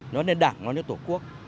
nói đến đảng nói đến tổ quốc